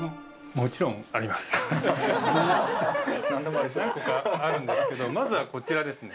もちろん何個かあるんですけどまずはこちらですね